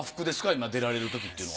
今出られるときっていうのは。